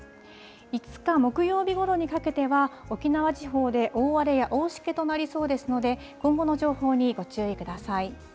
５日木曜日ごろにかけては、沖縄地方で大荒れや大しけとなりそうですので、今後の情報にご注意ください。